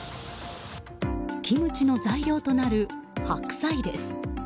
キムチの材料となる白菜です。